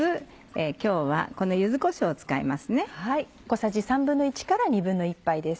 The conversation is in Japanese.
今日はこの柚子こしょうを使いますね。